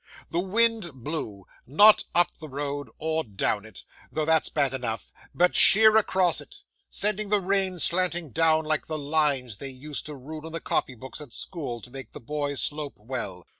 'The wind blew not up the road or down it, though that's bad enough, but sheer across it, sending the rain slanting down like the lines they used to rule in the copy books at school, to make the boys slope well.